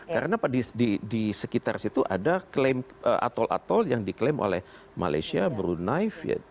karena di sekitar situ ada atol atol yang diklaim oleh malaysia brunei vietnam